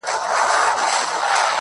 هغه د ساه کښلو لپاره جادوگري غواړي~